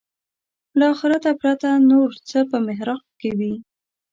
له آخرته پرته نور څه په محراق کې وي.